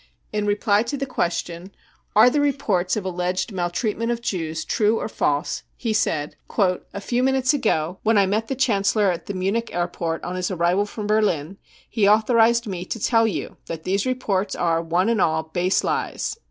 In reply to the question : cc Are the reports of alleged maltreat ment of Jews true or false ? 53 he said :" A few minutes ago, when I met the Chancellor at the Munich airport on his arrival from Berlin, he authorised me to tell you that these reports are one and all base lies.